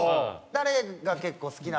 「誰が結構好きなの？」